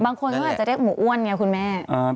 บางคนเขาอาจจะเรียกหมูอ้วนไงคุณแม่